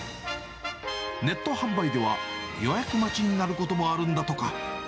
ネット販売では、予約待ちになることもあるんだとか。